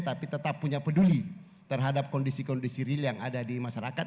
tapi tetap punya peduli terhadap kondisi kondisi real yang ada di masyarakat